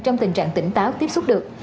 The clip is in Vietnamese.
trong tình trạng tỉnh táo tiếp xúc được